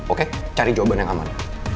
oke cari jawaban yang aman